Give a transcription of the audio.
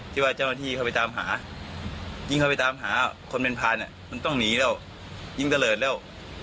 ที่ว่าเจ้าหน้าที่เข้าไปตามหายิ่งเข้าไปตามหาคนเป็นพานมันต้องหนีแล้วยิ่งเจริญแล้ว